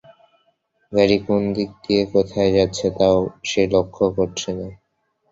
গাড়ি কোন দিক দিয়ে কোথায় যাচ্ছে তাও সে লক্ষ্য করছে না।